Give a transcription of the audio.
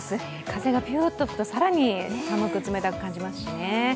風がぴゅーっと吹くと更に冷たく感じますしね。